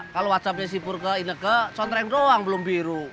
kalau whatsappnya sipur ke ineke conteng doang belum biru